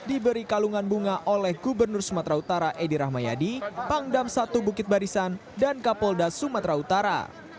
diberi kalungan bunga oleh gubernur sumatera utara edi rahmayadi pangdam satu bukit barisan dan kapolda sumatera utara